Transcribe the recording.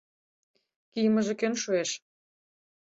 Кийымыже кон шуэш?